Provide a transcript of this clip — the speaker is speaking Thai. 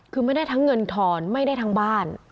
คือไม่ได้ทั้งเงินทอนไม่ได้ทั้งบ้าน